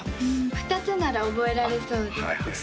２つなら覚えられそうです